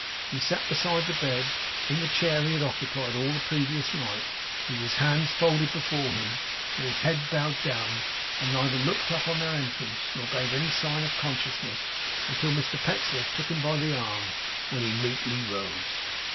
He sat beside the bed, in the chair he had occupied all the previous night, with his hands folded before him, and his head bowed down; and neither looked up, on their entrance, nor gave any sign of consciousness, until Mr Pecksniff took him by the arm, when he meekly rose.